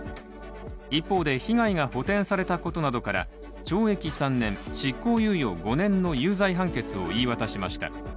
一方で、被害が補填されたことなどから懲役３年・執行猶予５年の有罪判決を言い渡しました。